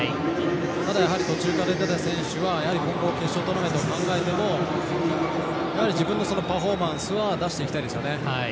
ただ、やはり途中から出た選手は今後、決勝トーナメントを考えてもやはり自分のパフォーマンスは出していきたいですよね。